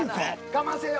我慢せぇよ。